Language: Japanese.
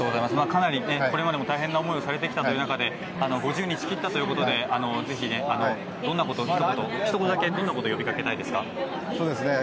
かなりこれまでも大変な思いをされてきたという中で５０日、切ったということでひと言だけ、どんなことを呼びかけたいですか。